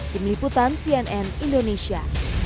tim liputan cnn indonesia